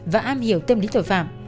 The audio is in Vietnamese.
và am hiểu tâm lý tội phạm